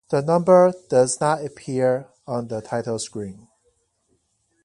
The number does not appear on the title screen.